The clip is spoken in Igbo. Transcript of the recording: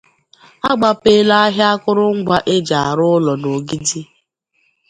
A Gbapeela Ahịa Akụrụngwa E Ji Arụ Ụlọ n'Ogidi